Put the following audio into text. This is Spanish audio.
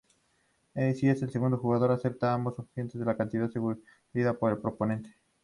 Si el segundo jugador acepta, ambos obtienen la cantidad sugerida por el proponente.